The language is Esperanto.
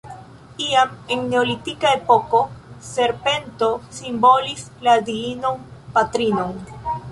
Iam, en neolitika epoko, serpento simbolis la Diinon Patrinon.